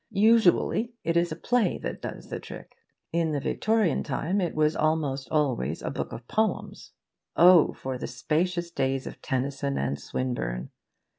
Usually it is a play that does the trick. In the Victorian time it was almost always a book of poems. Oh for the spacious days of Tennyson and Swinburne!